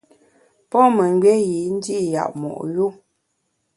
Pon memgbié yî ndi’ yap mo’ yu.